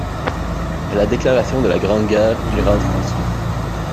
À la déclaration de la Grande Guerre, il rentre en Suisse.